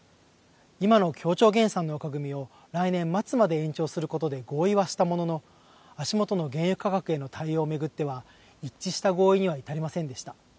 今の協調減産の枠組みを来年末まで延長することで合意はしたものの、あしもとの原油価格への対応を巡っては、一致した合意には至りませんでした。